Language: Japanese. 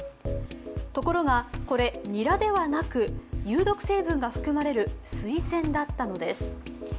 ところがこれ、ニラではなく有毒成分が含まれるスイセンだったのです。